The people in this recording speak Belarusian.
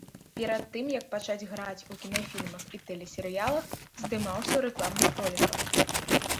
Перад тым як пачаць граць у кінафільмах і тэлесерыялах, здымаўся ў рэкламных роліках.